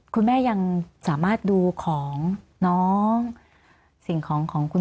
คุณแม่ยังสามารถดูของน้องสิ่งของของคุณแม่